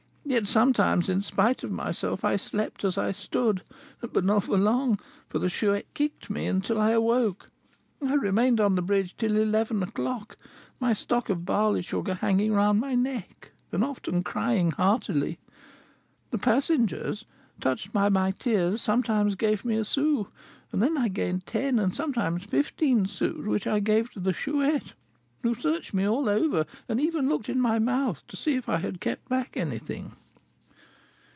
Yet sometimes, in spite of myself, I slept as I stood, but not long; for the Chouette kicked me until I awoke. I remained on the bridge till eleven o'clock, my stock of barley sugar hanging round my neck, and often crying heartily. The passengers, touched by my tears, sometimes gave me a sou; and then I gained ten and sometimes fifteen sous, which I gave to the Chouette, who searched me all over, and even looked in my mouth, to see if I had kept back anything."